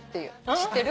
知ってる？